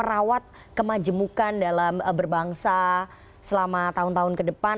apa yang berjalan jalan berbangsa selama tahun tahun ke depan